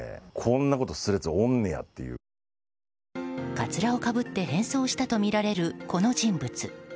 カツラをかぶって変装したとみられるこの人物。